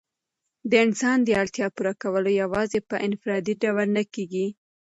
د انسان د اړتیا پوره کول یوازي په انفرادي ډول نه کيږي.